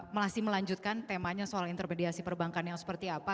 masih melanjutkan temanya soal intermediasi perbankan yang seperti apa